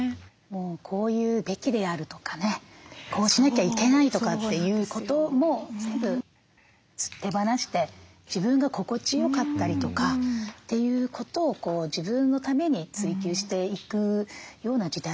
もうこういうべきであるとかねこうしなきゃいけないとかっていうことも全部手放して自分が心地よかったりとかっていうことを自分のために追求していくような時代なのかな。